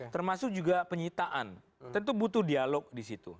termasuk juga penyitaan tentu butuh dialog di situ